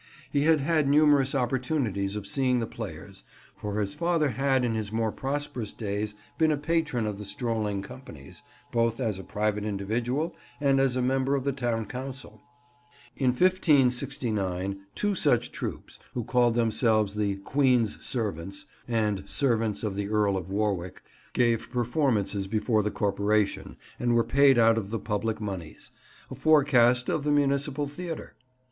He had had numerous opportunities of seeing the players, for his father had in his more prosperous days been a patron of the strolling companies, both as a private individual and as a member of the town council. In 1569 two such troupes, who called themselves the "Queen's servants," and "servants of the Earl of Warwick," gave performances before the corporation and were paid out of the public monies; a forecast of the municipal theatre!